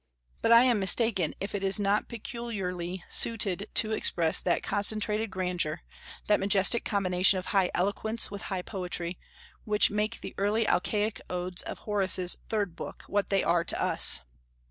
But I am mistaken if it is not peculiarly suited to express that concentrated grandeur, that majestic combination of high eloquence with high poetry, which make the early Alcaic Odes of Horace's Third Book what they are to us.